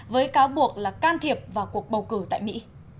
với cáo buộc là can thiệp vào cuộc bầu cử tại mỹ